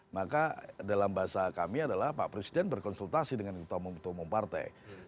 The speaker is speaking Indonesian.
maka dalam bahasa kami adalah pak presiden berkonsultasi dengan utama utama partai